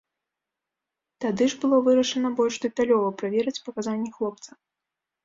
Тады ж было вырашана больш дэталёва праверыць паказанні хлопца.